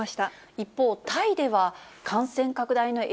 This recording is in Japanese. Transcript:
一方、タイでは感染拡大の影